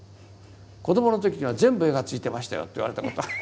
子どもの時には全部絵がついてましたよと言われたことある。